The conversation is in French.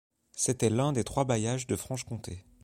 C'était l'un des trois bailliages de Franche-Comté.